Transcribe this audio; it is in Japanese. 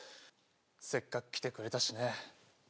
せっかく来てくれたしね